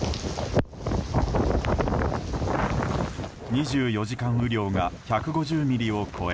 ２４時間雨量が１５０ミリを超え